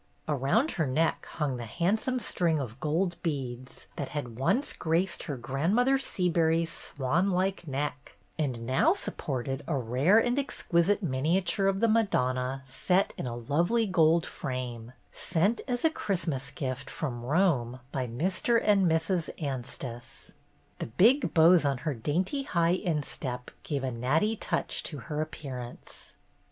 Around her neck hung the handsome string of gold beads that had once graced her Grandmother Seabury's "swan like neck,'' and now supported a rare and exquisite miniature of the Madonna set in a lovely gold frame, sent as a Christmas gift from Rome by Mr. and Mrs. Anstice. The big bows on her dainty high instep gave a natty touch to her appearance.